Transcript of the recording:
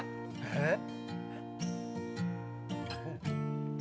えっ⁉